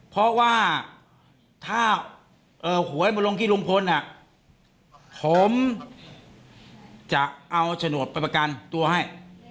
สวยข้อมูลหาอะไร